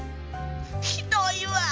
ひどいわ。